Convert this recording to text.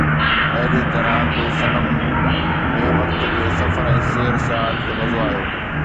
اهڙيءَ طرح ڪوئي صنم ۾ وقت جي سفر ۽ سير سياحت جو مزو آيو